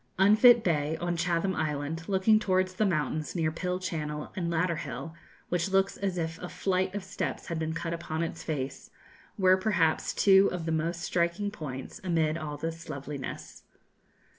Unfit Bay, on Chatham Island, looking towards the mountains near Pill Channel, and Ladder Hill, which looks as if a flight of steps had been cut upon its face, were perhaps two of the most striking points amid all this loveliness.